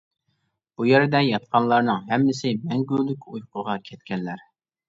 بۇ يەردە ياتقانلارنىڭ ھەممىسى مەڭگۈلۈك ئۇيقۇغا كەتكەنلەر.